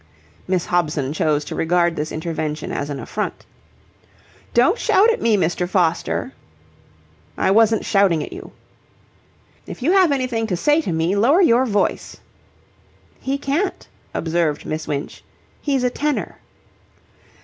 Miss Hobson chose to regard this intervention as an affront. "Don't shout at me, Mr. Foster!" "I wasn't shouting at you." "If you have anything to say to me, lower your voice." "He can't," observed Miss Winch. "He's a tenor."